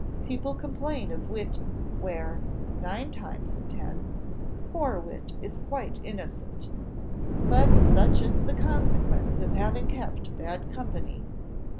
People complain of wit where, nine times in ten, poor wit is quite innocent; but such is the consequence of having kept bad company.